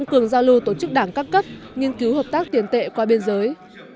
cường giao lưu tổ chức đảng các cấp nghiên cứu hợp tác tiền tệ qua biên giới